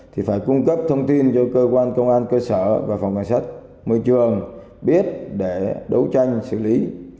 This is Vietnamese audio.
thì phải cung cấp thông tin cho cơ quan công an cơ sở và phòng cảnh sát môi trường biết để đấu tranh xử lý